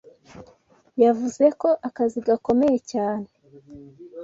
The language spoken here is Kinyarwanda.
yavuze ko akazi gakomeye cyane